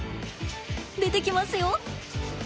出てきますよ。